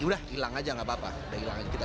ya udah hilang aja gak apa apa